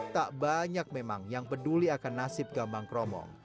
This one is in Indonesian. tak banyak memang yang peduli akan nasib gambang kromong